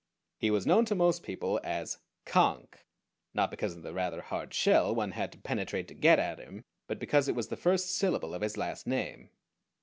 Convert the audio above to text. He was known to most people as "Conk": not because of the rather hard shell one had to penetrate to get at him, but because it was the first syllable of his last name.